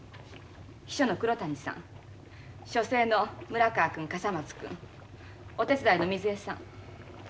秘書の黒谷さん書生の村川君笠松君お手伝いのみずえさん。